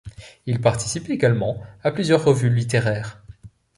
Il participe également à plusieurs revues littéraires.